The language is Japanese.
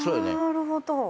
なるほど。